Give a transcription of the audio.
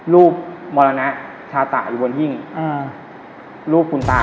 มรณะชาตะอยู่บนหิ้งรูปคุณตา